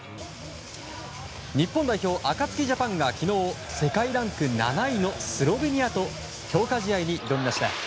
日本代表アカツキジャパンが昨日、世界ランク７位のスロベニアと強化試合に挑みました。